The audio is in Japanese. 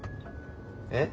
えっ？